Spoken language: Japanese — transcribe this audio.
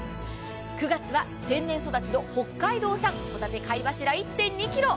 ９月は天然育ちの北海道産ホタテ貝柱１．２ｋｇ。